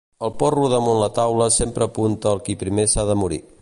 El porró damunt la taula sempre apunta al qui primer s'ha de morir.